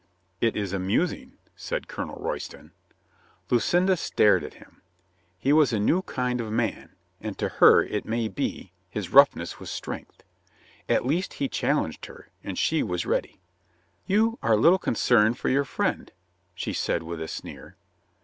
"It is amusing," said Colonel Royston. Lucinda stared at him. He was a new kind of man. And to her, it may be, his roughness was strength. At least he challenged her, and she was ready. "You are little concerned for your friend," she said with a sneer.